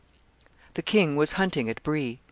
The king was hunting at Brie.